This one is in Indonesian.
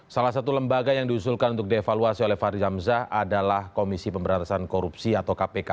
salah satu lembaga yang diusulkan untuk dievaluasi oleh fahri hamzah adalah komisi pemberantasan korupsi atau kpk